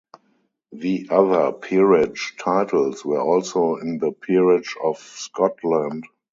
The other peerage titles were also in the Peerage of Scotland.